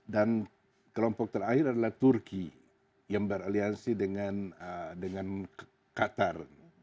dan kelompok terakhir adalah turki yang beraliansi dengan qatar